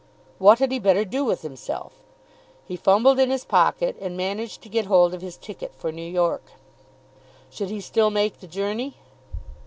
What had he better do with himself? He fumbled in his pocket, and managed to get hold of his ticket for New York. Should he still make the journey?